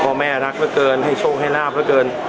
เพราะแม่รักเมื่อเกินให้โชคให้ราบเมื่อเกิน